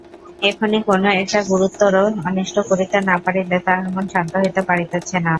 এখনি কোনো একটা গুরুতর অনিষ্ট করিতে না পারিলে তাহার মন শান্ত হইতে পারিতেছে না।